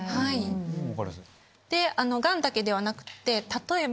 ガンだけではなくって例えば。